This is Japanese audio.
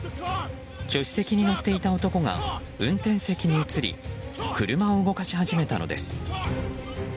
助手席に乗っていた男が運転席に移り車を動かし始めたのです。